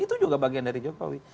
itu juga bagian dari jokowi